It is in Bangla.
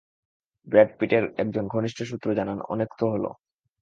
ব্র্যাড পিটের একজন ঘনিষ্ঠ সূত্র জানান, অনেক তো হলো।